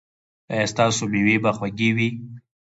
ایا ستاسو میوې به خوږې وي؟